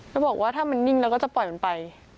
แล้วบอกว่าถ้ามันนิ่งแล้วก็จะปล่อยมันไป